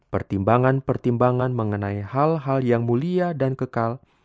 pertimbangan pertimbangan mengenai hal hal yang mulia dan kekal